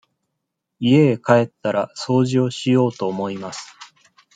家へ帰ったら掃除をしようと思います。